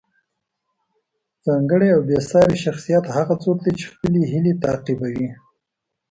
ځانګړی او بې ساری شخصیت هغه څوک دی چې خپلې هیلې تعقیبوي.